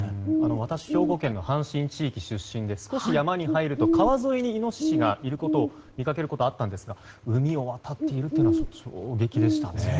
私は兵庫県の阪神地域出身で少し山に入ると川沿いにイノシシがいるのを見かけることがあったんですが海を渡っているというのは衝撃でしたね。